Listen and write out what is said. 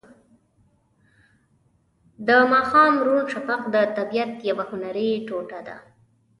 د ماښام روڼ شفق د طبیعت یوه هنري ټوټه ده.